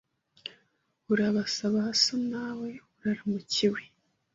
Urabasa ba so Na we uraramukiwe